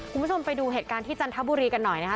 คุณผู้ชมไปดูเหตุการณ์ที่จันทบุรีกันหน่อยนะคะ